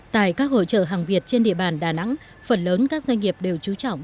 tại các hội trợ hàng việt trên địa bàn đà nẵng phần lớn các doanh nghiệp đều trú trọng